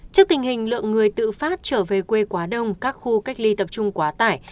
trước tình hình lượng người tự phát trở về quê quá đông các khu cách ly tập trung quá tải